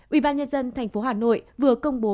ubnd tp hà nội vừa công bố